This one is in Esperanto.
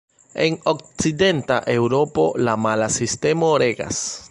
En okcidenta Eŭropo, la mala sistemo regas.